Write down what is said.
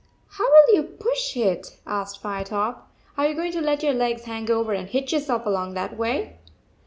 "How will you push it?" asked Firetop. "Are you going to let your legs hang over and hitch yourself along that way?"